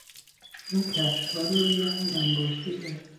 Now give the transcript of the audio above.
او کفشها را روی هم انباشته کرد.